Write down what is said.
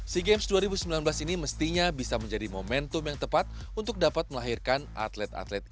sea games dua ribu sembilan belas ini mestinya bisa menjadi momentum yang tepat untuk dapat melahirkan atlet atlet